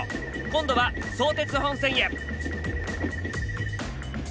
今度は相鉄本線へ。